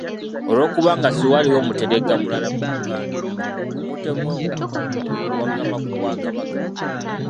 Olwokubanga siwaaliwo muteregga mulala mu Buganda, omutemu ono kwe kuwangama ku Bwakabaka.